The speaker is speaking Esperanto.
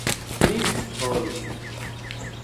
Pli ol.